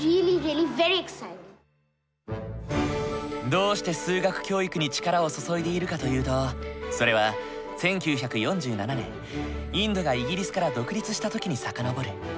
どうして数学教育に力を注いでいるかというとそれは１９４７年インドがイギリスから独立した時に遡る。